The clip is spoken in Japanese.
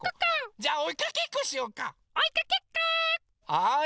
はい。